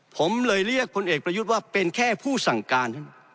ผมเลยเรียกพลเอกประยุทธ์ว่าเป็นแค่ผู้สั่งการ